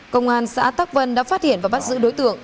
công an xã tắc vân đã phát hiện và bắt giữ đối tượng